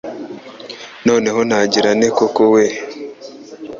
Noneho ntangira nte koko we